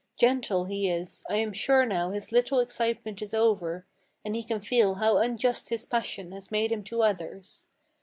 Gentle, he is; I am sure now his little excitement is over, And he can feel how unjust his passion has made him to others.